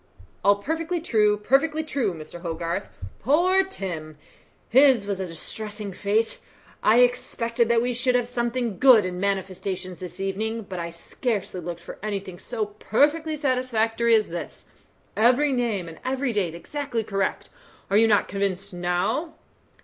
"All perfectly true, perfectly true, Mr. Hogarth. Poor Tom! His was a distressing fate. I expected that we should have something good in manifestations this evening, but I scarcely looked for anything so perfectly satisfactory as this. Every name and every date exactly correct. Are you not convinced now?"